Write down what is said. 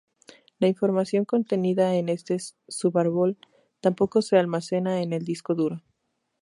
La información contenida en este subárbol tampoco se almacena en el disco duro.